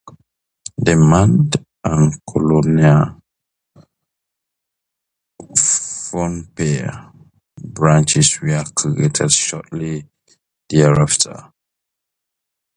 The Mand and Kolonia Pohnpei branches were created shortly thereafter.